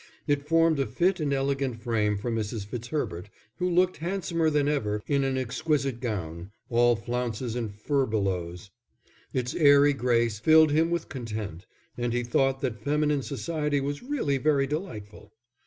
It formed a fit and elegant frame for Mrs. Fitzherbert, who looked handsomer than ever in an exquisite gown, all flounces and furbelows. Its airy grace filled him with content, and he thought that feminine society was really very delightful.